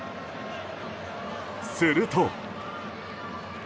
すると。